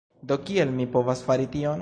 Do kiel mi povas fari tion?